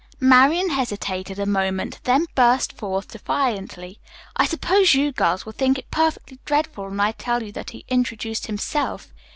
Marian hesitated a moment, then burst forth defiantly. "I suppose you girls will think it perfectly dreadful when I tell you that he introduced himself.